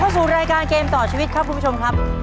สู่รายการเกมต่อชีวิตครับคุณผู้ชมครับ